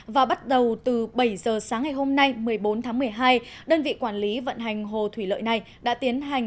và bắt đầu từ bảy giờ sáng ngày hôm nay một mươi bốn tháng một mươi hai đơn vị quản lý vận hành hồ thủy lợi này đã tiến hành